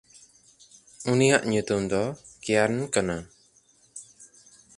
ᱩᱱᱤᱭᱟᱜ ᱧᱩᱛᱩᱢ ᱫᱚ ᱠᱮᱭᱟᱨᱱ ᱠᱟᱱᱟ᱾